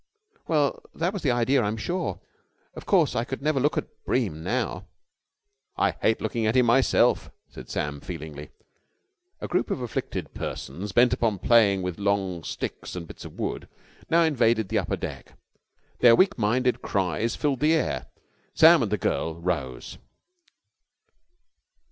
"Well, that was the idea, I'm sure. Of course, I could never look at Bream now." "I hate looking at him myself," said Sam feelingly. A group of afflicted persons, bent upon playing with long sticks and bits of wood, now invaded the upper deck. Their weak minded cries filled the air. Sam and the girl rose.